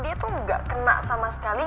dia tuh gak kena sama sekali